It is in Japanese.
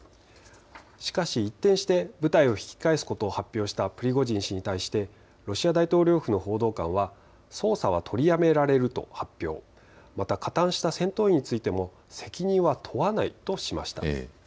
しかし一転して部隊を引き返すことを発表したプリゴジン氏に対してロシア大統領府の報道官は捜査は取りやめられると発表、また加担した戦闘員についても責任は問わないとしました。